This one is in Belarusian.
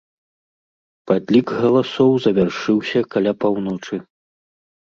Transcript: Падлік галасоў завяршыўся каля паўночы.